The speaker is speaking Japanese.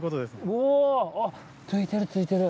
おついてるついてる。